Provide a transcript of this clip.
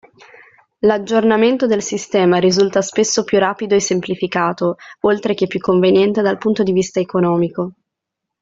L'aggiornamento del sistema risulta spesso più rapido e semplificato, oltre che più conveniente dal punto di vista economico.